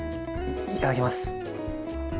いただきます！